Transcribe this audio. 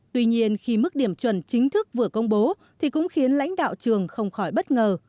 tuy nhiên khi mức điểm chuẩn chính thức vừa công bố thì cũng khiến lãnh đạo trường không khỏi bất ngờ